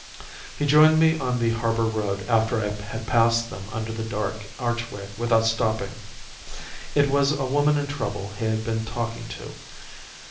"He joined me on the harbour road after I had passed them under the dark archway without stopping. It was a woman in trouble he had been talking to.